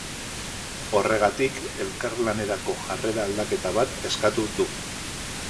Horregatik, elkarlanerako jarrera aldaketa bat eskatu du.